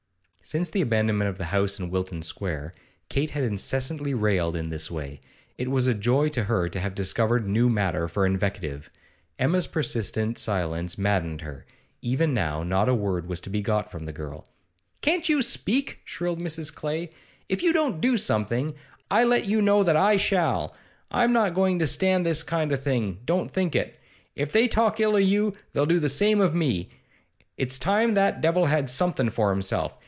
Since the abandonment of the house in Wilton Square, Kate had incessantly railed in this way; it was a joy to her to have discovered new matter for invective. Emma's persistent silence maddened her; even now not a word was to be got from the girl. 'Can't you speak?' shrilled Mrs. Clay. 'If you don't do something, I let you know that I shall! I'm not going to stand this kind o' thing, don't think it. If they talk ill of you they'll do the same of me. It's time that devil had something for himself.